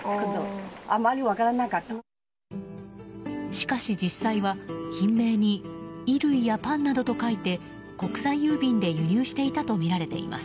しかし実際は品名に衣類やパンなどと書いて国際郵便で輸入していたとみられています。